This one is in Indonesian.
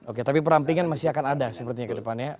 oke tapi perampingan masih akan ada sepertinya ke depannya